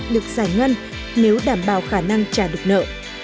được giải ngân nếu đảm bảo khả năng trả được nợ